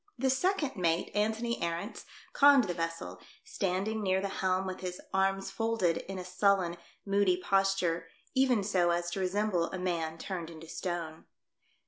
The second mate, Antony Arents, conned the vessel, standing near the helm with his arms folded in a sullen, moody posture, even so as to resemble a man turned into stone.